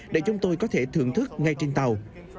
để chúng tôi có thể thưởng thức ngay trên tàu